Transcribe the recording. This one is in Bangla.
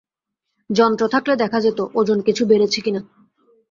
যন্ত্র থাকলে দেখা যেত, ওজন কিছু বেড়েছে কি না।